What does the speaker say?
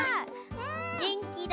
げんきだ。